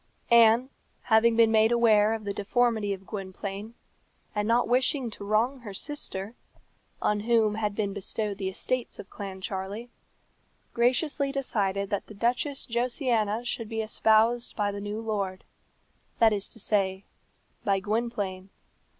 Anne, having been made aware of the deformity of Gwynplaine, and not wishing to wrong her sister, on whom had been bestowed the estates of Clancharlie, graciously decided that the Duchess Josiana should be espoused by the new lord that is to say, by Gwynplaine.